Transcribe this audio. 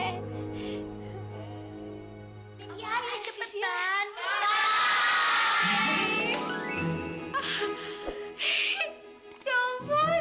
iya ya cepetan